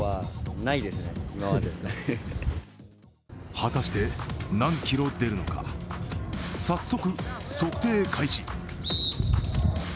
果たして何キロ出るのか早速測定開始。